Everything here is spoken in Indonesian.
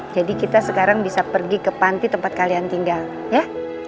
jadi kita sekarang bisa pergi ke panti tempat kalian tinggal ya